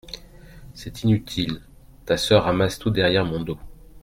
C'est inutile, ta soeur ramasse tout derrière mon dos.